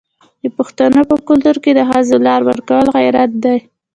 د پښتنو په کلتور کې د ښځو لار ورکول غیرت دی.